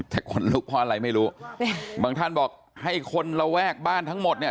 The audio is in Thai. แต่ขนลุกเพราะอะไรไม่รู้บางท่านบอกให้คนระแวกบ้านทั้งหมดเนี่ย